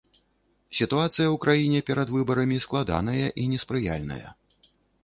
Сітуацыя у краіне перад выбарамі складаная і неспрыяльная.